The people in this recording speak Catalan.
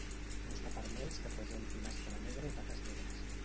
No està permès que presenti màscara negra o taques negres.